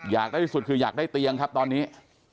อยากได้ที่สุดคืออยากได้เตียงครับตอนนี้